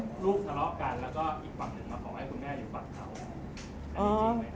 ลูกทะเลาะกันแล้วก็อีกฝั่งหนึ่งมาขอให้คุณแม่อยู่ฝั่งเขา